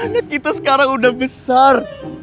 karena kita sekarang udah besar